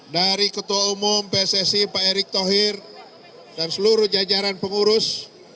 dari ketua umum pssi pak erick thohir dan seluruh jajaran pengurus